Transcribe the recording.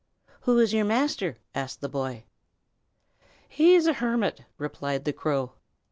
"Who is your master?" asked the boy. "He is a hermit," replied the crow.